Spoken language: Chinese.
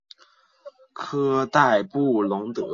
科代布龙德。